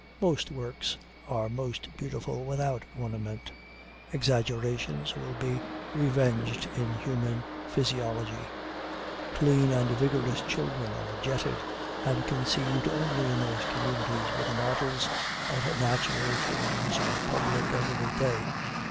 Most works are most beautiful without ornament. Exaggerations will be revenged in human physiology. Clean and vigorous children are jetted and conceiv'd only in those communities where the models of natural forms are public every day.